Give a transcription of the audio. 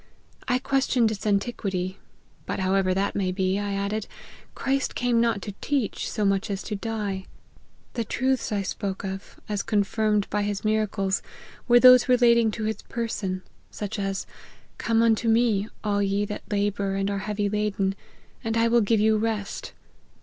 I questioned its antiquity ;< but however that may be,' I added, ' Christ came not to teach, so much as to die; the truths I spoke of, as con firmed by his miracles, were those relating to his person, such as, * Come unto me, all ye that labour and are heavy laden, and I will give you rest.'